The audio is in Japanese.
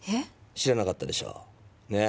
知らなかったでしょ？ね？